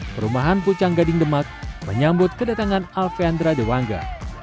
perumahan pucang gading demak menyambut kedatangan alfeandra dewangga